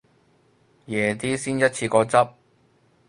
夜啲先一次過執